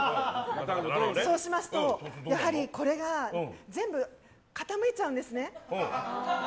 そうしますと、やはりこれが全部傾いちゃうんですね。